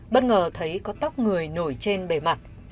bất ngờ thấy có tóc người nổi trên bề mặt